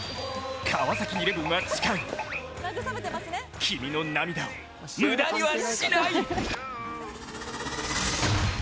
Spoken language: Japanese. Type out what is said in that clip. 川崎イレブンは誓う、君の涙を無駄にはしない！